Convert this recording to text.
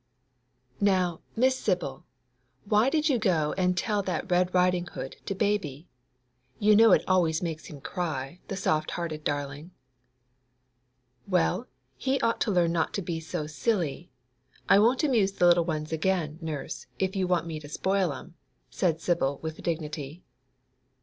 * 'Now, Miss Sibyl, why did you go and tell that "Red Riding hood" to Baby? You know it always makes him cry, the soft hearted darling!' 'Well, he ought to learn not to be so silly. I won't amuse the little ones again, nurse, if you want me to spoil them!' said Sibyl, with dignity.